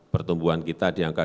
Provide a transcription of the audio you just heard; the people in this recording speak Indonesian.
pertumbuhan kita di angka dua satu